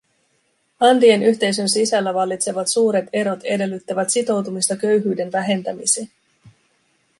Andien yhteisön sisällä vallitsevat suuret erot edellyttävät sitoutumista köyhyyden vähentämiseen.